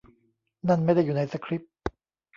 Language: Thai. นั่นไม่ได้อยู่ในสคริปต์